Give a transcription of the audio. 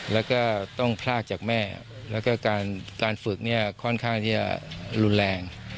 แล้วก็ต้องพลากจากแม่แล้วก็การฝึกเนี่ยค่อนข้างที่จะรุนแรง